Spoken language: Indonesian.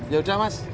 ya udah mas